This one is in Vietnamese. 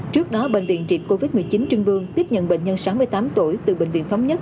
trước đó bệnh viện triệt covid một mươi chín trưng vương tiếp nhận bệnh nhân sáu mươi tám tuổi từ bệnh viện phóng nhất